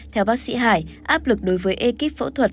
theo bác sĩ hải áp lực đối với ekip phẫu thuật